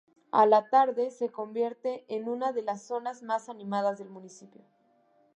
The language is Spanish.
A la tarde, se convierte en una de les zonas más animadas del municipio.